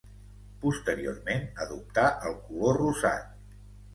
Posteriorment adoptà el color rosat.